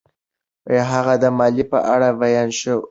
هغه د ملالۍ په اړه بیان شروع کړ.